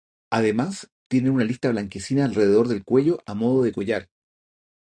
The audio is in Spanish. Además tienen una lista blanquecina alrededor del cuello a modo de collar.